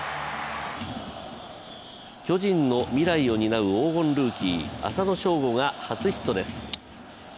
巨人の未来を担う黄金ルーキー浅野翔吾が初ヒットです。